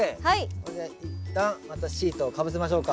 これで一旦またシートをかぶせましょうか。